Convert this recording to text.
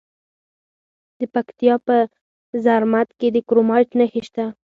د پکتیا په زرمت کې د کرومایټ نښې شته.